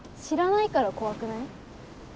知らないから怖くない？